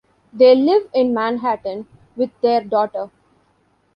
They live in Manhattan with their daughter.